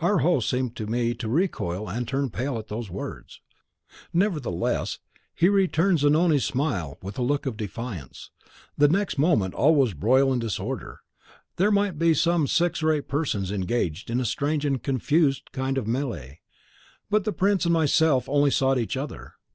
Our host seemed to me to recoil and turn pale at those words; nevertheless, he returned Zanoni's smile with a look of defiance. The next moment all was broil and disorder. There might be some six or eight persons engaged in a strange and confused kind of melee, but the prince and myself only sought each other.